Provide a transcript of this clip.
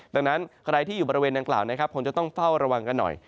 ดังนั้นใครที่มันในบริเวณดังกล่าวคงต้องเฝ้าระวังกันหน่อย